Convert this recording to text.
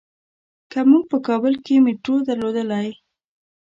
که مونږ په کابل کې مېټرو درلودلای.